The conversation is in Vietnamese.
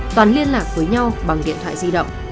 toàn liên lạc với nhau bằng điện thoại di động